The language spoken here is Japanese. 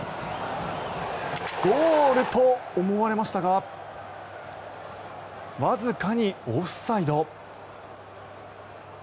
ゴールと思われましたがわずかにオフサイド。